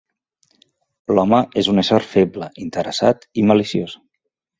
L'home és un ésser feble, interessat i maliciós.